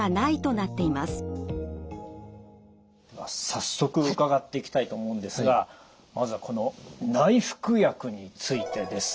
早速伺っていきたいと思うんですがまずはこの内服薬についてです。